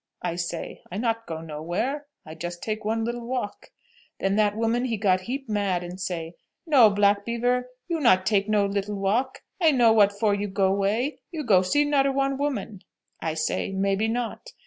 I say, 'I not go nowhere; I just take one littel walk.' Then that woman he get heap mad, and say, 'No, Black Beaver, you not take no littel walk. I know what for you go way; you go see nodder one woman.' I say, 'Maybe not.'